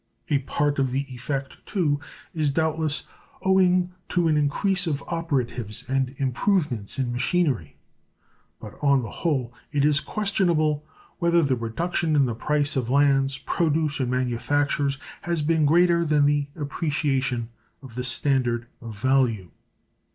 A part of the effect, too, is doubtless owing to an increase of operatives and improvements in machinery. But on the whole it is questionable whether the reduction in the price of lands, produce, and manufactures has been greater than the appreciation of the standard of value.